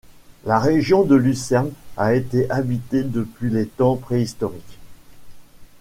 La région de Lucerne a été habitée depuis les temps préhistoriques.